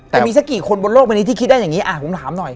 แต่มีสักกี่คนบนโลกวันนี้ที่คิดได้อย่างนี้ผมถามหน่อย